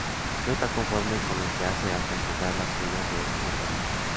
No está conforme con lo que hace hasta encontrar las joyas de Marguerite.